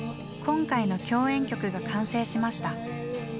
今回の共演曲が完成しました。